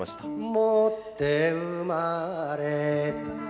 「持って生まれた」